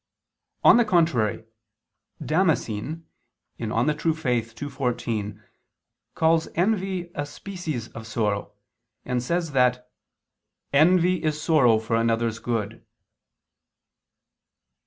On the contrary, Damascene (De Fide Orth. ii, 14) calls envy a species of sorrow, and says that "envy is sorrow for another's good."